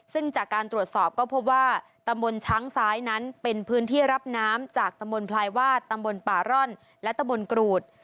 ซึ่งจากการตรวจสอบก็พบว่าตำบลช้างซ้ายนั้นเป็นพื้นที่รับน้ำจากตำบลพลายวาดตำบลป่าร่อนและตำบลกรูด